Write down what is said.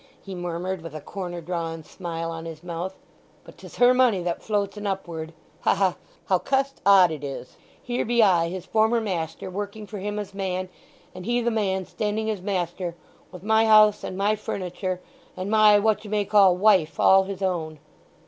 he murmured with a corner drawn smile on his mouth. "But 'tis her money that floats en upward. Ha ha—how cust odd it is! Here be I, his former master, working for him as man, and he the man standing as master, with my house and my furniture and my what you may call wife all his own."